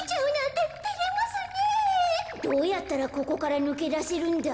どうやったらここからぬけだせるんだ？